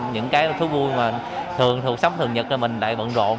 những cái thứ vui mà thường sắp thường nhật rồi mình lại bận rộn